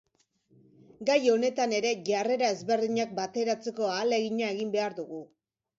Gai honetan ere jarrera ezberdinak bateratzeko ahalegina egin behar dugu.